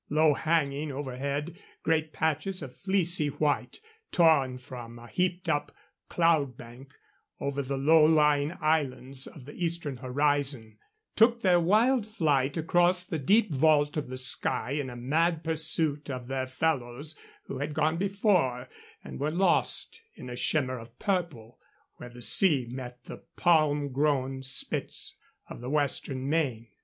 Low hanging overhead, great patches of fleecy white, torn from a heaped up cloud bank over the low lying islands of the eastern horizon, took their wild flight across the deep vault of sky in mad pursuit of their fellows who had gone before and were lost in a shimmer of purple, where the sea met the palm grown spits of the western main.